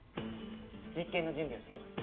実験の準備をしてきます。